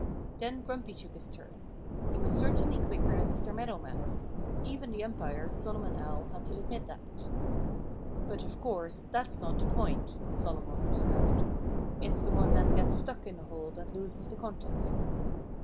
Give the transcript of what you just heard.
Then Grumpy took his turn. He was certainly quicker than Mr. Meadow Mouse. Even the umpire, Solomon Owl, had to admit that. "But of course that's not the point," Solomon observed. "It's the one that gets stuck in a hole that loses the contest."